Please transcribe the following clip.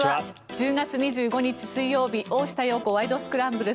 １０月２５日、水曜日「大下容子ワイド！スクランブル」。